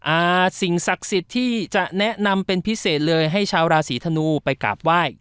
อ่าสิ่งศักดิ์สิทธิ์ที่จะแนะนำเป็นพิเศษเลยให้ชาวราศีธนูไปกราบไหว้